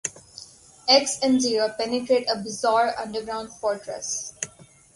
X and Zero penetrate a bizarre underground fortress.